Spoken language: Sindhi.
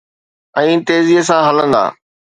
۽ تير تيزيءَ سان هلندا.